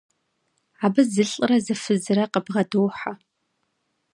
Абы зылӏрэ зы фызрэ къыбгъэдохьэ.